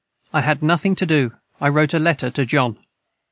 I had nothing to du I rote a letter to John.